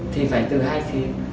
thì phải từ hai phía